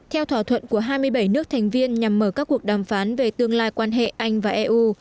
theo thỏa thuận của hai mươi bảy nước thành viên nhằm mở các cuộc đàm phán về tương lai quan hệ anh và eu